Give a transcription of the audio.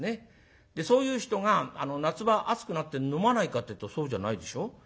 そういう人が夏場暑くなって飲まないかっていうとそうじゃないでしょ。